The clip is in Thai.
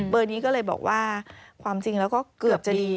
เบอร์นี้ก็เลยบอกว่าความจริงเราก็เกือบจะดี